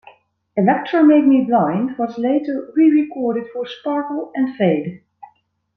"Electra Made Me Blind" was later re-recorded for "Sparkle and Fade".